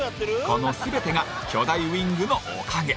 この全てが巨大ウィングのおかげ。